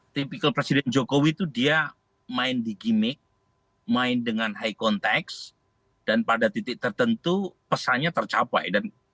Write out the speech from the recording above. tipikal presiden jokowi itu dia main di gimmick main dengan high context dan pada titik tertentu pesannya tercapai